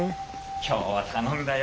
今日は頼んだよ。